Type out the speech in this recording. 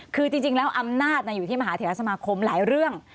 คือจริงแล้วอำนาจอยู่ที่มหาเทราสมาคมหลายเรื่อง